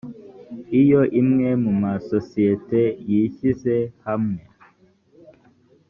iyo imwe mu masosiyeti yishyize hamwe